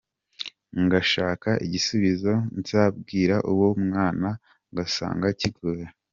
Ngashaka igisubizo nzabwira uwo mwana ngasanga kigoye.